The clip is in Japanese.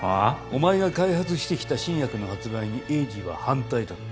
お前が開発してきた新薬の発売に栄治は反対だった。